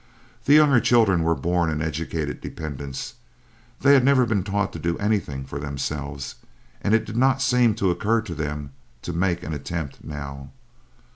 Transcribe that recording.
The younger children were born and educated dependents. They had never been taught to do anything for themselves, and it did not seem to occur to them to make an attempt now.